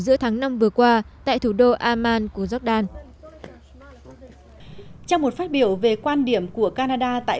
giữa tháng năm vừa qua tại thủ đô amman của jordan trong một phát biểu về quan điểm của canada tại